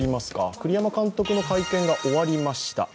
栗山監督の会見が終わりました。